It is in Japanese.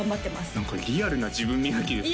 何かリアルな自分磨きですね